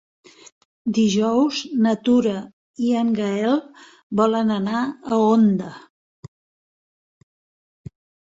Dijous na Tura i en Gaël volen anar a Onda.